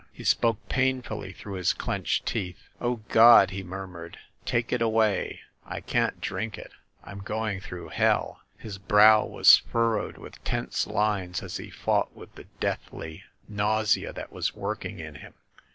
He spoke painfully through his clenched teeth. "Oh, God !" he murmured. "Take it away ! I can't drink it ! I'm going through hell !" His brow was fur rowed with tense lines as he fought with the deathly nausea that was working in him.